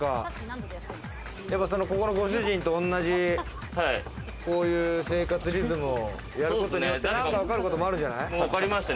ご主人と同じこういう生活リズムをやることによってわかることもあるじゃない。